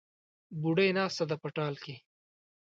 بوډۍ ناسته ده په ټال کې